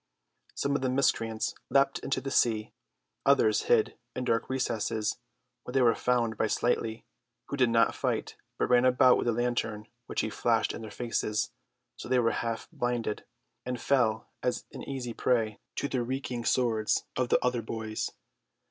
Some of the miscreants leapt into the sea; others hid in dark recesses, where they were found by Slightly, who did not fight, but ran about with a lantern which he flashed in their faces, so that they were half blinded and fell as an easy prey to the reeking swords of the other boys.